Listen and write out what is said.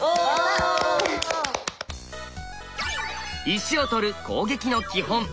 石を取る攻撃の基本